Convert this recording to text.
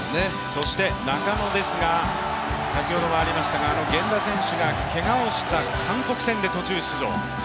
そして中野ですが先ほどもありましたが源田選手がけがをした韓国戦で途中出場。